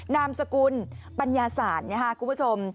นามสกุลปัญญาสารนะคะคุณผู้ชม